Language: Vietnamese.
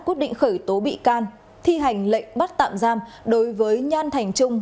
quyết định khởi tố bị can thi hành lệnh bắt tạm giam đối với nhan thành trung